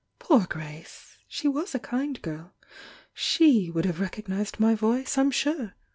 "Poor Grace! She was a kind giri! She would have recognised my voice, I'm sure.